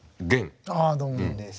ああどうも源です。